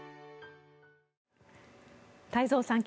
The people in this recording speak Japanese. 太蔵さん